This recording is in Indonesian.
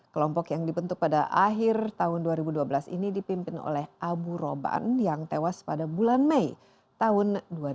kelompok yang dibentuk pada akhir tahun dua ribu dua belas ini dipimpin oleh abu roban yang tewas pada bulan mei tahun dua ribu dua puluh